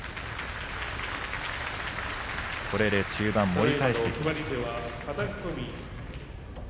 これで中盤盛り返してきました。